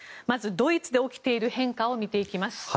まずドイツで起きている変化を見ていきます。